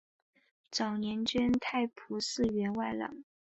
早年捐太仆寺员外郎。